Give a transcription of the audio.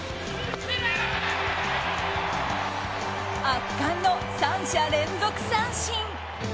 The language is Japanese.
圧巻の３者連続三振。